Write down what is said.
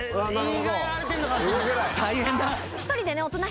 大変だ！